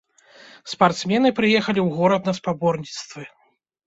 Спартсмены прыехалі ў горад на спаборніцтвы.